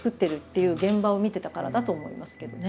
いう現場を見てたからだと思いますけどね。